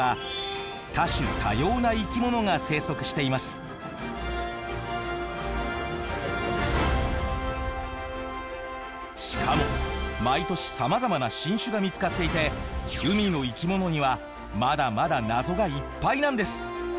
そんな海にはしかも毎年さまざまな新種が見つかっていて海の生き物にはまだまだ謎がいっぱいなんです。